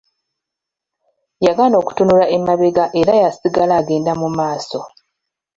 Yagaana okutunula emabega era yasigala agenda mu maaso.